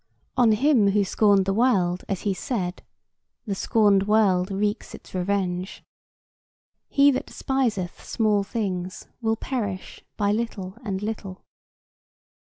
On him who scorned the world as he said, the scorned world wreaks its revenge. He that despiseth small things will perish by little and little.